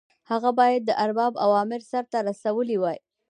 هغه باید د ارباب اوامر سرته رسولي وای.